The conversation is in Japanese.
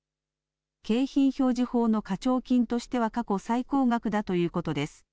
景品表示法の課徴金としては過去最高額だということです。